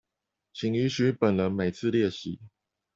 請允許本人每次列席